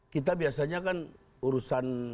kita biasanya kan urusan